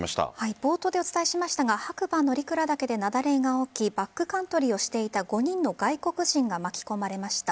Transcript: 冒頭でお伝えしましたが白馬乗鞍岳で雪崩が起きバックカントリーをしていた４人の外国人が巻き込まれました。